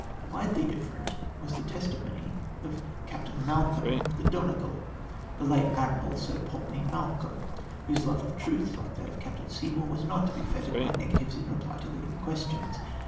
Widely different was the testimony of Captain Mal colm of the Donegal — the late Admiral Su^ Pulteney Malcolm — whose love of truth, hke that of Captain Seymom\ was not to be fettered by negatives in reply to leading questions.